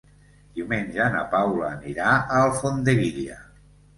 Diumenge na Paula anirà a Alfondeguilla.